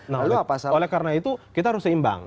nah oleh karena itu kita harus seimbang